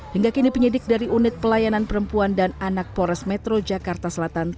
hingga kini penyidik dari unit pelayanan perempuan dan anak pores metro jakarta selatan